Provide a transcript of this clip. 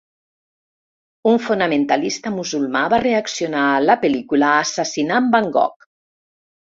Un fonamentalista musulmà va reaccionar a la pel·lícula assassinant Van Gogh.